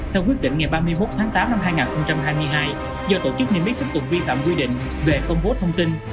theo quyết định ngày ba mươi một tháng tám năm hai nghìn hai mươi hai do tổ chức nghiêm miết tiếp tục vi phạm quy định về công bố thông tin